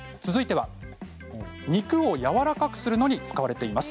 また肉をやわらかくするのにも使われています。